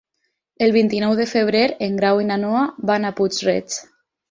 El vint-i-nou de febrer en Grau i na Noa van a Puig-reig.